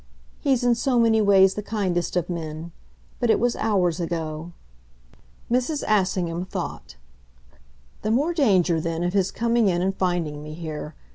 "He's in so many ways the kindest of men. But it was hours ago." Mrs. Assingham thought. "The more danger then of his coming in and finding me here.